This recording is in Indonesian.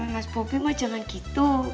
mas bobi mah jangan gitu